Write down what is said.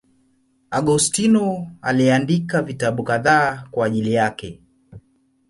Augustino aliandika vitabu kadhaa kwa ajili yake.